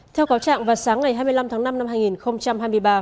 theo cáo trạng vào sáng ngày hai mươi năm tháng năm năm hai nghìn hai mươi ba